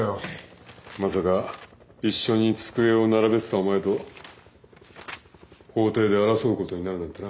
まさか一緒に机を並べてたお前と法廷で争うことになるなんてな。